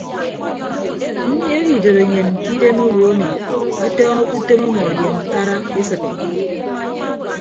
Nniehe idotenyen ke idem owo emi atọọñọke utom ọmọ ye ñkara ke esịt.